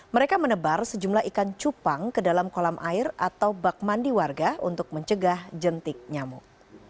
mereka menebar sejumlah ikan cupang ke dalam kolam air atau bak mandi warga untuk mencegah jentik nyamuk